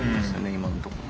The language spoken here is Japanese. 今のところ。